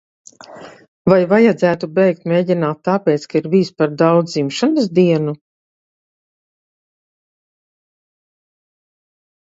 Vai vajadzētu beigt mēģināt tāpēc, ka ir bijis par daudz dzimšanas dienu?